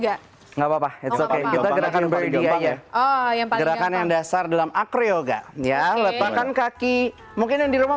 enggak apa apa kita gerakan bergaya yang dasar dalam akryoga ya letakkan kaki mungkin di rumah